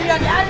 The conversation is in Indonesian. bener pak rt